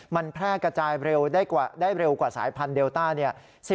มันแพร่กระจายได้เร็วกว่าสายพันธุเดลต้าเนี่ย